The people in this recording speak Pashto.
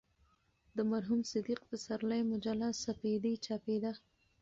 د مرحوم صدیق پسرلي مجله "سپېدې" چاپېده.